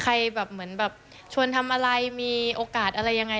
ใครเฉพาะชวนทำอะไรมีโอกาสอะไรอย่างไร